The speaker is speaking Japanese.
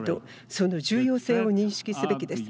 その重要性を認識すべきです。